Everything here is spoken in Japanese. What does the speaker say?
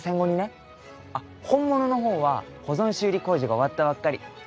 あっ本物の方は保存修理工事が終わったばっかり。